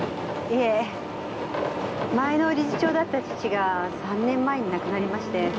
いえ前の理事長だった父が３年前に亡くなりまして。